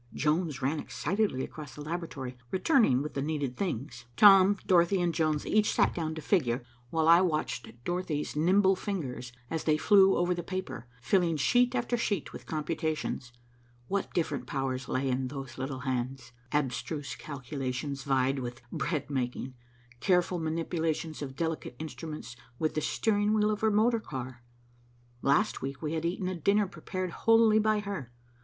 Jones ran excitedly across the laboratory, returning with the needed things. Tom, Dorothy and Jones each sat down to figure while I watched Dorothy's nimble fingers, as they flew over the paper, filling sheet after sheet with computations. What different powers lay in those little hands. Abstruse calculations vied with bread making, careful manipulations of delicate instruments with the steering wheel of her motor car. Last week we had eaten a dinner prepared wholly by her.